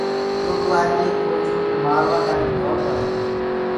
دو ڏوهآريٚ ايڪ ڦوجِيو ڪوُ مآروآ تآڻيٚ دوڙ پڙَن